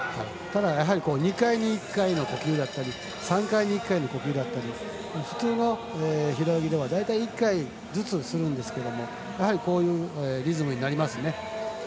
２回の１回の呼吸だったり３回に１回の呼吸だったり普通の平泳ぎでは大体１回ずつするんですけどやはりこういうリズムになりますね。